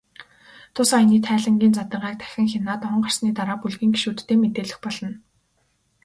Тус аяны тайлангийн задаргааг дахин хянаад, он гарсны дараа бүлгийн гишүүддээ мэдээлэх болно.